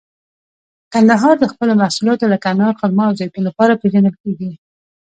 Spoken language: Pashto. کندهار د خپلو محصولاتو لکه انار، خرما او زیتون لپاره پیژندل کیږي.